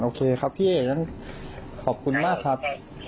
โอเคครับพี่ขอบคุณมากครับ